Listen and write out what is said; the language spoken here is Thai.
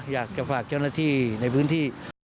อยากจะฝากเจ้าหน้าที่ในพื้นที่